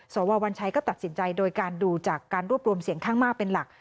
สววัญชัยก็ตัดสินใจโดยการดูจากการรวบรวมเสียงข้างมากเป็นหลัก